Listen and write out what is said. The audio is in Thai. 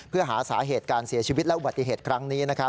เพื่อหาสาเหตุการเสียชีวิตและอุบัติเหตุครั้งนี้